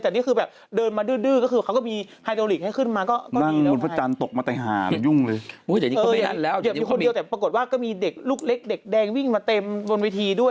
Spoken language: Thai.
แต่นี่คือแบบเดินมาดื้อก็คือเขาก็มีไฮโดริกให้ขึ้นมาก็ดีแล้วไง